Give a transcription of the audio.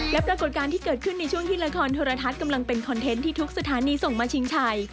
และปรากฏการณ์ที่เกิดขึ้นในช่วงที่ละครโทรทัศน์กำลังเป็นคอนเทนต์ที่ทุกสถานีส่งมาชิงชัย